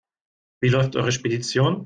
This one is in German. Wie läuft eure Spedition?